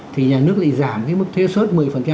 thì nhà nước lại giảm cái mức thuế xuất một mươi